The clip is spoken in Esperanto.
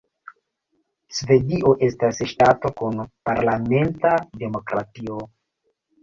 Svedio estas ŝtato kun parlamenta demokratio.